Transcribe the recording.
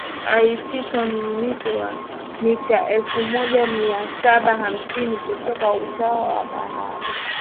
atika muinuko wa mita elfu moja mia saba hamsini kutoka usawa wa bahari